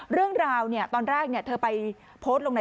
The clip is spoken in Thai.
เรื่องราวตอนแรกเธอไปโพสต์ลงใน